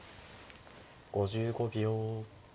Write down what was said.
５５秒。